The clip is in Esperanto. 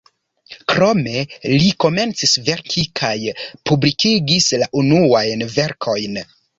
Krome li komencis verki kaj la publikigis la unuajn verkojn.